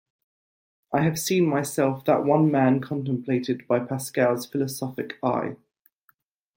I have seen myself that one man contemplated by Pascal's philosophic eye.